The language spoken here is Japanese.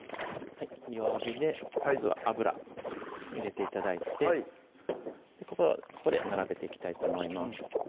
弱火でまずは油入れて頂いてはいここで並べていきたいと思います